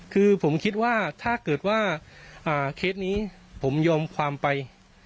คือผมคิดว่าถ้าเกิดว่าเคสนี้ผมยอมความไป